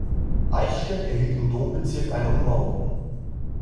Eichstätt erhielt im Dombezirk eine Ummauerung.